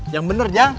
yang bener ya